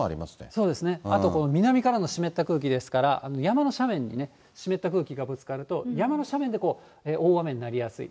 そうですね、あと南からの湿った空気ですから、山の斜面に湿った空気がぶつかると、山の斜面で大雨になりやすい。